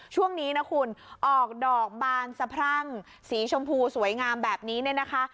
ช่วงนี้นะคุณออกดอกบานสะพรั่งสีชมพูสวยงามแบบนี้เนี่ยนะคะ